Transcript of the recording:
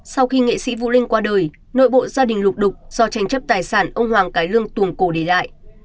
sau khi nghệ sĩ vũ linh qua đời nội bộ gia đình lục đục do tranh chấp tài sản ông hoàng cái lương tuồng cổ để lại